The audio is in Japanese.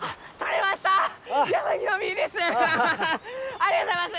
ありがとうございます！